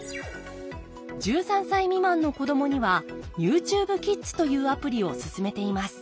１３歳未満の子どもにはＹｏｕＴｕｂｅＫｉｄｓというアプリを勧めています。